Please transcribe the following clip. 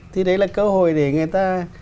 thì đấy là cơ hội để người ta